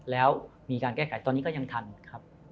แล้วมีการแก้ไขตอนนี้ก็ยังทันครับ